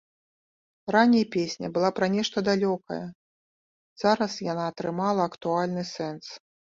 Раней песня была пра нешта далёкае, зараз яна атрымала актуальны сэнс.